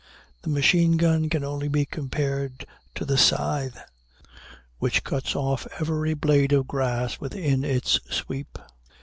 The machine gun can only be compared to the scythe, which cuts off every blade of grass within its sweep.